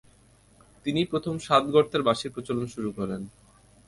তিনিই প্রথম সাত গর্তের বাঁশির প্রচলন শুরু করেন।